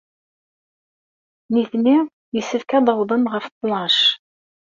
Nitni yessefk ad awḍen ɣef ttnac.